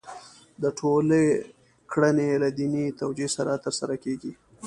د ټولو کړنې له دیني توجیه سره ترسره کېږي.